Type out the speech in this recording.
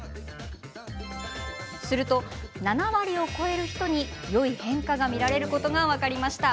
すると、７割を超える人によい変化が見られることが分かりました。